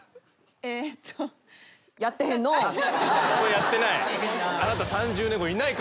やってない？